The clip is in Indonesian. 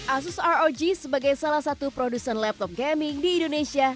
asus rog sebagai salah satu produsen laptop gaming di indonesia